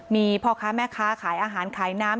มีพ่อค้าแม่ค้าขายอาหารขายน้ำ